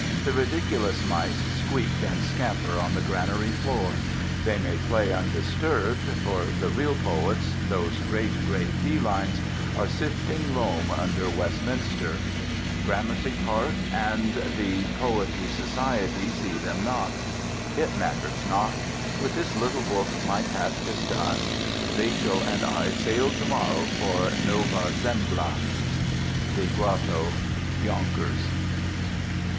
The ridiculous mice squeak and scamper on the granary floor. They may play undisturbed, for the real poets, those great gray felines, are sifting loam under Westminster. Gramercy Park and the Poetry Society see them not. It matters not. With this little book my task is done. Vachel and I sail to morrow for Nova Zembla. The Grotto, Yonkers.